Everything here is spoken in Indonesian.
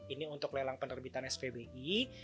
ini untuk lelang penerbitan spbi